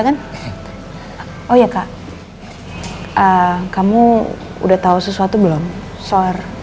kan oh ya kak kamu udah tahu sesuatu belum soal